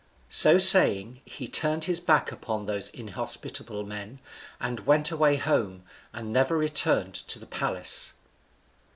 So saying, he turned his back upon those inhospitable men, and went away home, and never returned to the palace.